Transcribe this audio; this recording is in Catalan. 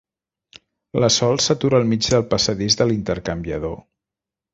La Sol s'atura al mig del passadís de l'intercanviador.